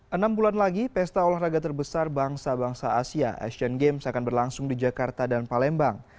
enam bulan lagi pesta olahraga terbesar bangsa bangsa asia asian games akan berlangsung di jakarta dan palembang